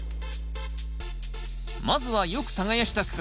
まずはよく耕した区画。